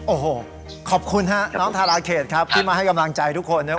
โอ้โหขอบคุณฮะน้องทาราเขตครับที่มาให้กำลังใจทุกคนนะครับ